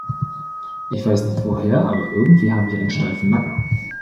Ich weiß nicht woher, aber irgendwie habe ich einen steifen Nacken.